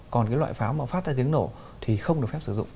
còn cái loại pháo mà phát ra tiếng nổ thì không được phép sử dụng